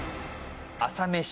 朝メシ